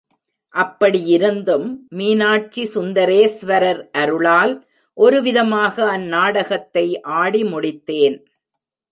அப்படியிருந்தும், மீனாட்சி சுந்தரேஸ்வரர் அருளால், ஒருவிதமாக அந் நாடகத்தை ஆடி முடித்தேன்.